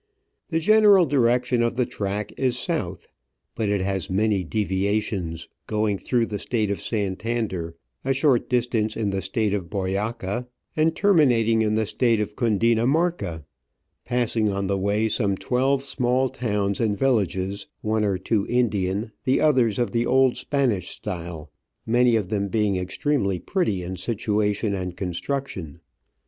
The general direction of the track is south, but it has many deviations, going through the State of Santander, a short distance in the State of Boyaca, and terminating in the State of Cundina Digitized by VjOOQIC I20 Travels and Adventures marca, passing on the way some twelve small towns and villages, one or two Indian, the others of the old Spanish style, many of them being extremely pretty in situation and construction.